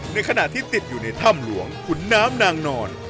ในขณะที่ติดอยู่ในถ้ำหลวงขุนน้ำนางนอน